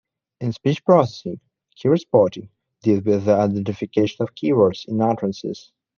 In speech processing, keyword spotting deals with the identification of keywords in utterances.